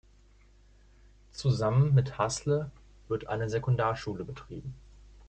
Zusammen mit Hasle wird eine Sekundarschule betreiben.